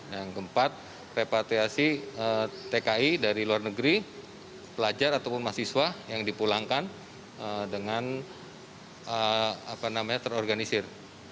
yang keempat repatriasi tki dari luar negeri pelajar ataupun mahasiswa yang dipulangkan dengan terorganisir